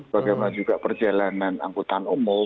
bagaimana juga perjalanan angkutan umum